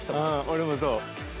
俺もそう。